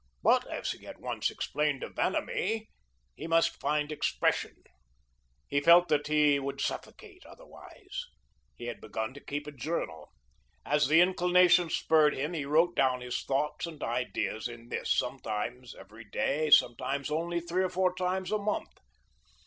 But, as he had once explained to Vanamee, he must find expression. He felt that he would suffocate otherwise. He had begun to keep a journal. As the inclination spurred him, he wrote down his thoughts and ideas in this, sometimes every day, sometimes only three or four times a month.